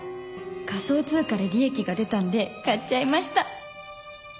「仮想通貨で利益が出たんで買っちゃいました」